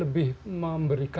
bisa untuk wisata